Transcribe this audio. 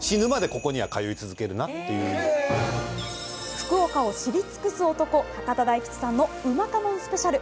福岡を知り尽くす男・博多大吉さんのうまかもんスペシャル。